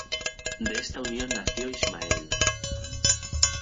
De esta unión nació Ishmael.